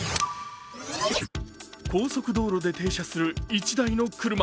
高速道路で停車する１台の車。